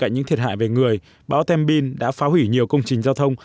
những thiệt hại về người báo tembin đã phá hủy nhiều công trình giao thông